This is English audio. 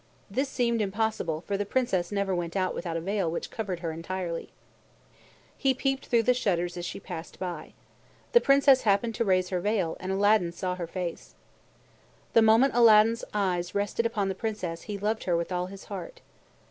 This seemed impossible, for the Princess never went out without a veil which covered her entirely. He peeped through the shutters as she passed by. The Princess happened to raise her veil, and Aladdin saw her face. The moment Aladdin's eyes rested upon the Princess, he loved her with all his heart.